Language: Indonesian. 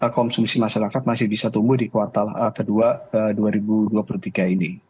konsumsi masyarakat masih bisa tumbuh di kuartal kedua dua ribu dua puluh tiga ini